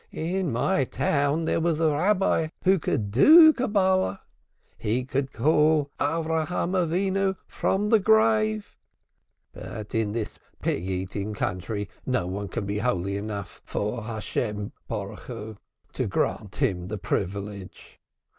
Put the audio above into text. In my town there was a Rabbi who could do Cabbulah; he could call Abraham our father from the grave. But in this pig eating country no one can be holy enough for the Name, blessed be It, to grant him the privilege.